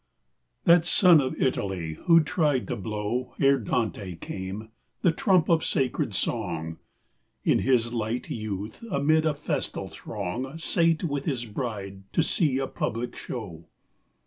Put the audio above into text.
_ That son of Italy who tried to blow, Ere Dante came, the trump of sacred song, In his light youth amid a festal throng Sate with his bride to see a public show.